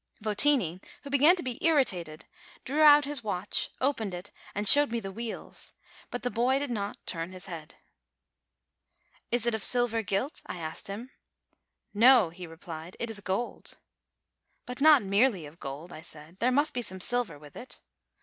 Votini, who began to be irritated, drew out his watch, opened it, and showed me the wheels; but the boy did not turn his head. "Is it of silver gilt?" I asked him. "No," he replied; "it is gold." "But not merely of gold," I said; "there must be some silver with it."